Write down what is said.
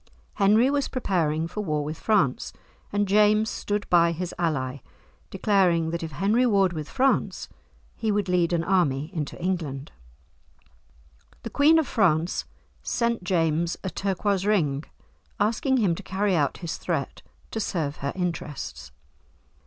Henry was preparing for war with France, and James stood by his ally, declaring that if Henry warred with France, he would lead an army into England. The Queen of France sent James a turquoise ring, asking him to carry out his threat to serve her interests.